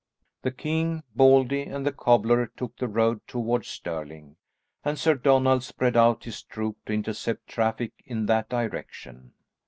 The king, Baldy, and the cobbler took the road towards Stirling, and Sir Donald spread out his troop to intercept traffic in that direction.